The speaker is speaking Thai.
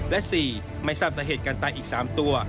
และ๔ไม่ทราบสาเหตุการตายอีก๓ตัว